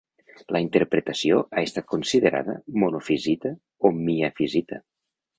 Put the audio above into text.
La interpretació ha estat considerada monofisita o miafisita.